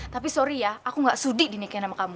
tapi sorry ya aku gak sudi dinikin sama kamu